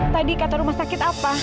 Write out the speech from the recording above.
tadi kata rumah sakit apa